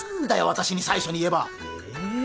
私に最初に言えばえー